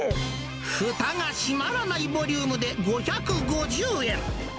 ふたが閉まらないボリュームで５５０円。